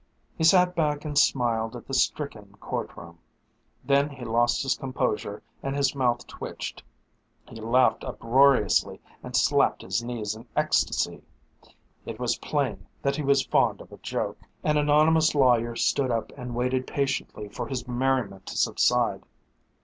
He sat back and smiled at the stricken courtroom. Then he lost his composure and his mouth twitched. He laughed uproariously and slapped his knees in ecstasy. It was plain that he was fond of a joke. An anonymous lawyer stood up and waited patiently for his merriment to subside.